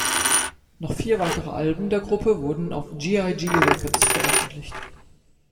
Noch vier weitere Alben der Gruppe wurden auf GiG Records veröffentlicht.